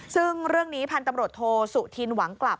ซึ่งเรื่องนี้พันธุ์ตำรวจโทสุธินหวังกลับ